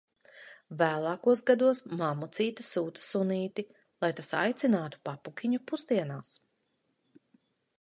Vēlākos gados mammucīte sūta sunīti, lai tas aicinātu papukiņu pusdienās.